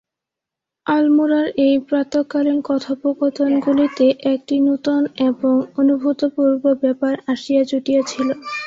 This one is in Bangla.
আলমোড়ার এই প্রাতঃকালীন কথোপকথনগুলিতে একটি নূতন এবং অনুভূতপূর্ব ব্যাপার আসিয়া জুটিয়াছিল।